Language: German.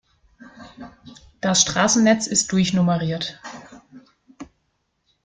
Das Straßennetz ist durchnummeriert.